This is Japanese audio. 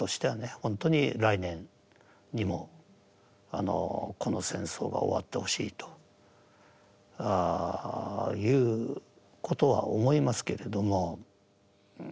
本当に来年にもこの戦争が終わってほしいということは思いますけれども。